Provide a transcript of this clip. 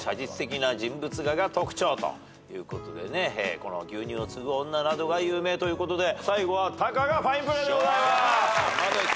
この『牛乳を注ぐ女』などが有名ということで最後はタカがファインプレーでございます！